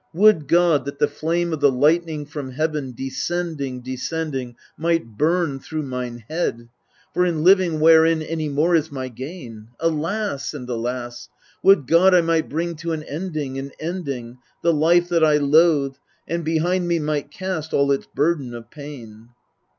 Would God that the flame of the lightning from heaven descending, descending, Might burn through mine head ! for in living wherein any more is my gain ? Alas and alas ! Would God I might bring to an ending, an ending, The life that I loathe, and behind me might cast all its burden of pain